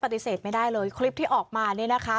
ปฏิเสธไม่ได้เลยคลิปที่ออกมาเนี่ยนะคะ